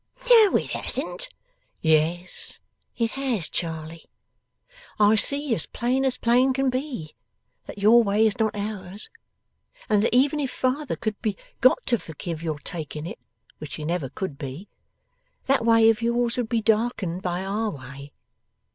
'No it hasn't!' 'Yes it has, Charley. I see, as plain as plain can be, that your way is not ours, and that even if father could be got to forgive your taking it (which he never could be), that way of yours would be darkened by our way.